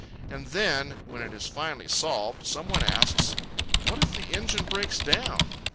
And then, when it is finally solved, some one asks, "What if the engine breaks down?"